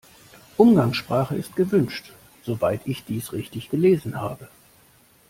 Umgangssprache ist gewünscht, soweit ich dies richtig gelesen habe.